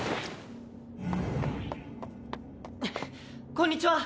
こんにちは。